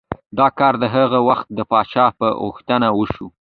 دا کار د هغه وخت د پادشاه په غوښتنه وشو.